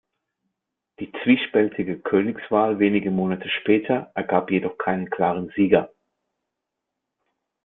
Die zwiespältige Königswahl wenige Monate später ergab jedoch keinen klaren Sieger.